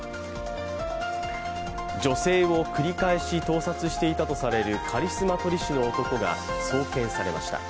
女性を繰り返し盗撮していたとされるカリスマ撮り師の男が送検されました。